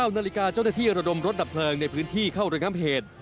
๙นาฬิกาเจ้าหน้าที่ระดมรถดับเพลิงในพื้นที่เข้าระงับเหตุ